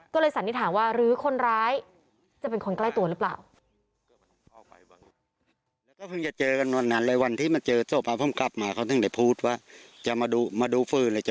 ก็เลยสันนิษฐานว่าหรือคนร้ายจะเป็นคนใกล้ตัวหรือเปล่า